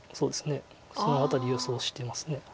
その辺り予想してます。